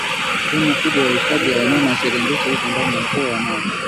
Sehemu kubwa ya Hifadhi ya Wanyama ya Serengeti iko ndani ya Mkoa wa Mara